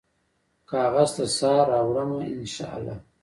کاغذ ته سا راوړمه ، ان شا الله